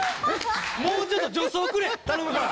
もうちょっと助走くれ頼むから。